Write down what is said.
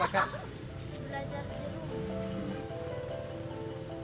belajar di rumah